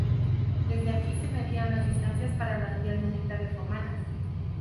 Desde aquí se medían las distancias para las vías militares romanas.